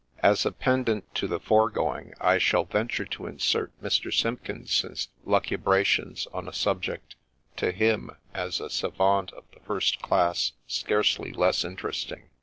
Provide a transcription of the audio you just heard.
As a pendant to the foregoing, I shall venture to insert Mr. Simpkinson's lucubrations on a subject to him, as a Savant of the first class, scarcely less interesting.